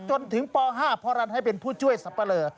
จนถึงป๕พรันให้เป็นผู้ช่วยสับปะเลอ